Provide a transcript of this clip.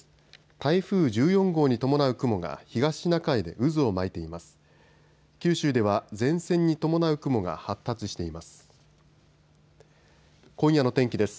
台風１４号に伴う雲が東シナ海で渦を巻いています。